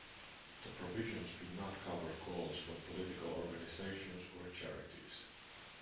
The provisions do not cover calls from political organizations or charities.